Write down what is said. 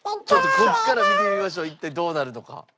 ちょっとここから見てみましょう一体どうなるのか。